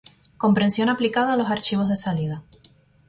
compresión aplicada a los archivos de salida